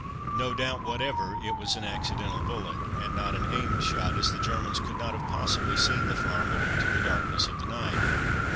No doubt whatever it was an accidental bullet, and not an aimed shot, as the Germans could not have possibly seen the farm owing to the darkness of the night.